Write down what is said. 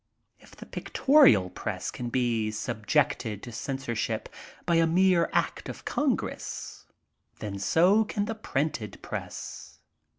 If the pictorial press can be subjected to censor ship by a mere act of Congress, then so can the printed press.